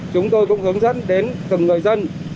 chúng tôi cũng hướng dẫn đến từng người dân